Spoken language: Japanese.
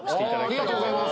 ありがとうございます。